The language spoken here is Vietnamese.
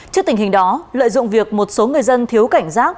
trước tình hình đó lợi dụng việc một số người dân thiếu cảnh giác